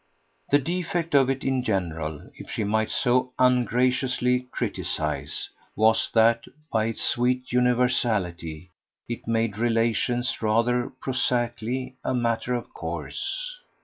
The defect of it in general if she might so ungraciously criticise was that, by its sweet universality, it made relations rather prosaically a matter of course.